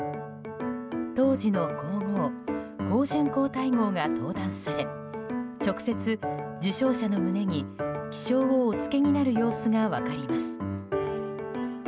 当時の皇后・香淳皇太后が登壇され今と同じように直接、受章者の胸に記章をお着けになる様子が分かります。